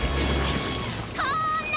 こんな！